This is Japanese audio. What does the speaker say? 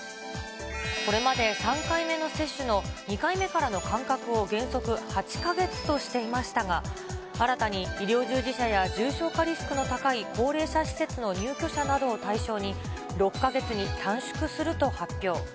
これまで３回目の接種の２回目からの間隔を原則８か月としていましたが、新たに医療従事者や重症化リスクの高い高齢者施設の入居者などを対象に、６か月に短縮すると発表。